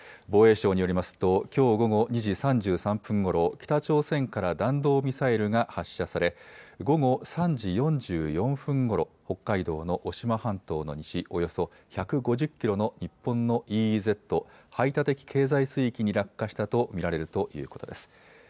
防衛省によりますと、きょう午後２時３３分ごろ、北朝鮮から弾道ミサイルが発射され、午後３時４４分ごろ、北海道の渡島半島の西、およそ１５０キロの日本のＥＥＺ・排他的経済水域に落下したと見られるということです。